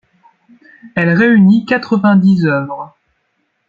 Elle réunit quatre-vingt-dix œuvres.